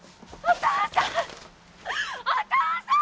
お父さん！